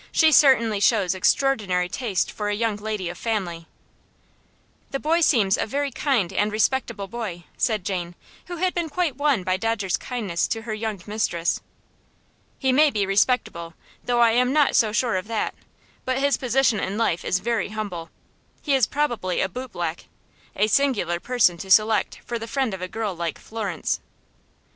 "She certainly shows extraordinary taste for a young lady of family." "The boy seems a very kind and respectable boy," said Jane, who had been quite won by Dodger's kindness to her young mistress. "He may be respectable, though I am not so sure of that; but his position in life is very humble. He is probably a bootblack; a singular person to select for the friend of a girl like Florence."